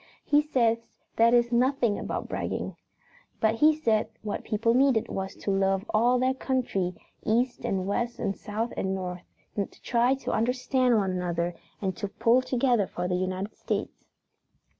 He says that is nothing but bragging. But he said what people needed was to love all their country, east and west and south and north, to try to understand one another and to pull together for the United States.